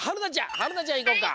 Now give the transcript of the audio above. はるなちゃんいこっか。